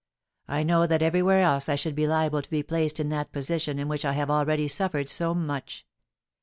I know that everywhere else I should be liable to be placed in that position in which I have already suffered so much.